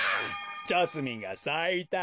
ジャスミンがさいた。